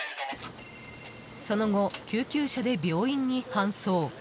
その後、救急車で病院に搬送。